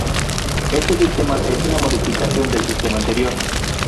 Este sistema es una modificación del sistema anterior.